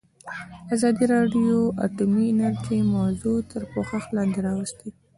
ازادي راډیو د اټومي انرژي موضوع تر پوښښ لاندې راوستې.